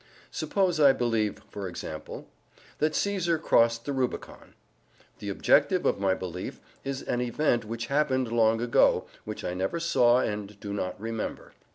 Suppose I believe, for example, "that Caesar crossed the Rubicon." The objective of my belief is an event which happened long ago, which I never saw and do not remember.